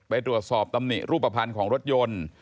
ไปตรวจสอบตำหนิรูปภัณฑ์ของรถยนต์